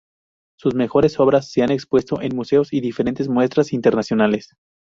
Sus mejores obras se han expuesto en museos y diferentes muestras internacionales.